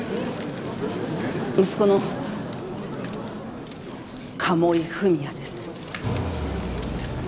息子の鴨井文哉です。